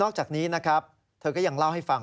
จากนี้นะครับเธอก็ยังเล่าให้ฟัง